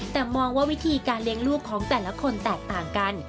แต่มองว่าวิธีการเลี้ยงลูกของแต่ละคนแตกต่างกัน